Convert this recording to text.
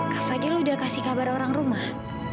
kak fadil udah kasih kabar orang rumah